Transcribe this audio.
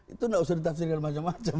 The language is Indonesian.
itu nggak usah ditafsirkan macam macam